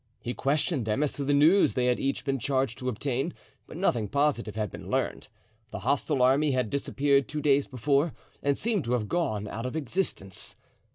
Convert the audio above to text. He questioned them as to the news they had each been charged to obtain, but nothing positive had been learned. The hostile army had disappeared two days before and seemed to have gone out of existence.